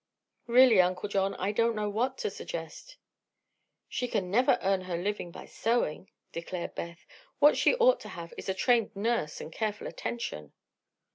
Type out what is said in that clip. "Really, Uncle John, I don't know what to suggest." "She can never earn her living by sewing," declared Beth. "What she ought to have is a trained nurse and careful attention."